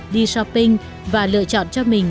đi shopping và lựa chọn cho mình